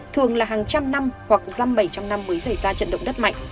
thường là hàng trăm năm hoặc răm bảy trăm năm mới xảy ra trận động đất mạnh